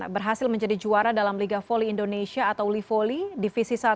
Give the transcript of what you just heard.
berhasil menjadi juara dalam liga voli indonesia atau livoli divisi satu